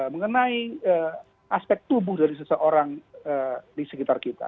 mengenai aspek tubuh dari seseorang di sekitar kita